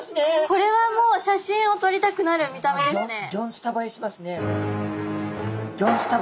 これはもう写真をとりたくなる見た目ですね。